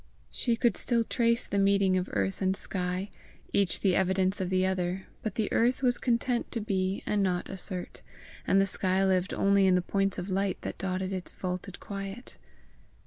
She could still trace the meeting of earth and sky, each the evidence of the other, but the earth was content to be and not assert, and the sky lived only in the points of light that dotted its vaulted quiet.